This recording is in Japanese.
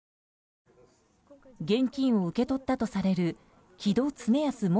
現金を受け取ったとされる木戸経康元